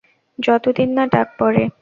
যতদিন না ডাক পড়ে।